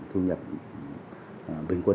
thu nhập bình quân